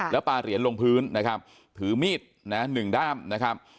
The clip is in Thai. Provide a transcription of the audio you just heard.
แล้วปลาเหรียญลงพื้นนะครับถือมีดนะหนึ่งด้ามนะครับ